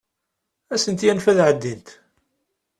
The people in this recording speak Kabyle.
Ad asent-yanef ad ɛeddint.